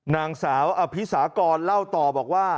นางสาวอภิษากรเล่าต่อบอกว่า